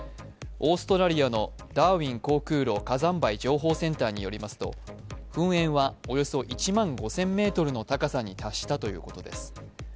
オーストラリアのダーウィン航空路火山灰情報センターによりますと、噴煙はおよそ１万５０００ｍの高さに達したということです。